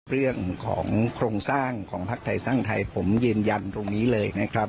เรื่องของโครงสร้างของภักดิ์ไทยสร้างไทยผมยืนยันตรงนี้เลยนะครับ